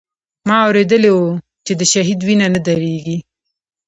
ما اورېدلي و چې د شهيد وينه نه درېږي.